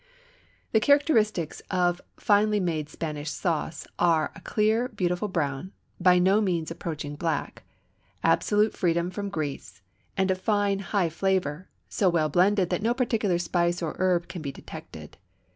The characteristics of finely made Spanish sauce are a clear beautiful brown, by no means approaching black, absolute freedom from grease, and a fine high flavor, so well blended that no particular spice or herb can be detected.